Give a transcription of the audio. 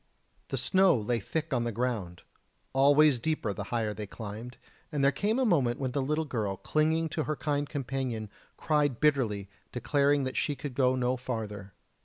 The snow lay thick on the ground, always deeper the higher they climbed, and there came a moment when the little girl, clinging to her kind companion, cried bitterly, declaring that she could go no farther.